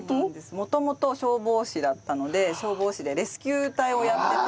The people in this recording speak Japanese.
元々消防士だったので消防士でレスキュー隊をやってて。